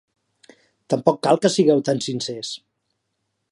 Tampoc cal que sigueu tan sincers.